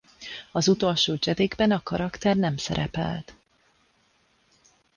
Az utolsó Jedikben a karakter nem szerepelt.